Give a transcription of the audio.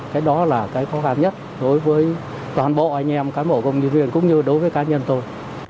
cái đó là cái khó khăn nhất đối với toàn bộ anh em cán bộ công nhân viên cũng như đối với cá nhân tôi